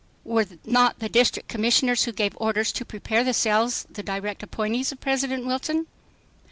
Were not the District Commissioners who gave orders to prepare the cells the direct appointees of President Wilson?